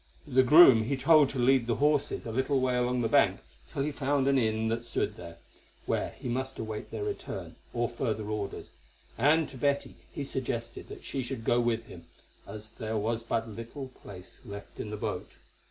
The groom he told to lead the horses a little way along the bank till he found an inn that stood there, where he must await their return or further orders, and to Betty he suggested that she should go with him, as there was but little place left in the boat.